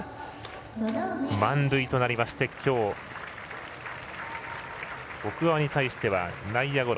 満塁となりまして、きょう奥川に対しては内野ゴロ。